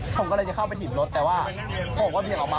ผมก็เลยจะเข้าไปหยิบรถแต่ว่าผมก็เบี่ยงออกมา